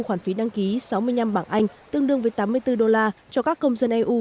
khoản phí đăng ký sáu mươi năm bảng anh tương đương với tám mươi bốn đô la cho các công dân eu